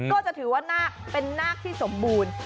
ก็จะถือว่านาคต์เป็นนาคต์ที่สมบูรณ์